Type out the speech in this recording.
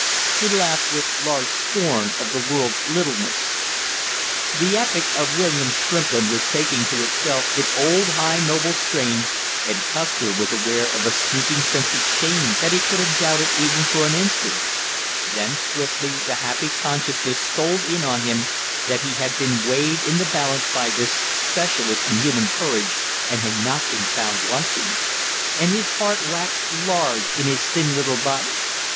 He laughed with large scorn of the world's littleness. The epic of William Shrimplin was taking to itself its old high noble strain, and Custer was aware of a sneaking sense of shame that he could have doubted even for an instant; then swiftly the happy consciousness stole in on him that he had been weighed in the balance by this specialist in human courage and had not been found wanting. And his heart waxed large in his thin little body.